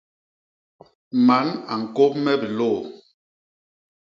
Man a ñkôp me bilôô.